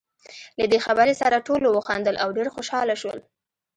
له دې خبرې سره ټولو وخندل، او ډېر خوشاله شول.